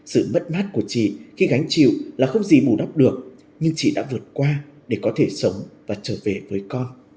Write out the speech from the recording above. sự mất mát của chị khi gánh chịu là không gì bù đắp được nhưng chị đã vượt qua để có thể sống và trở về với con